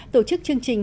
tổ chức chương trình